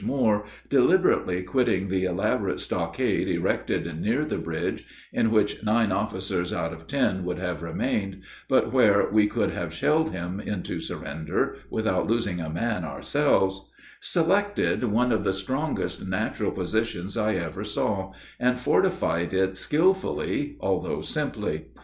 Moore, deliberately quitting the elaborate stockade erected near the bridge, in which nine officers out of ten would have remained, but where we could have shelled him into surrender without losing a man ourselves, selected one of the strongest natural positions I ever saw, and fortified it skilfully although simply.